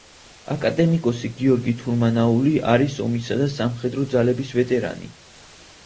აკადემიკოსი გიორგი თურმანაული არის ომისა და სამხედრო ძალების ვეტერანი.